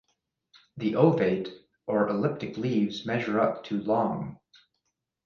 The ovate or elliptic leaves measure up to long.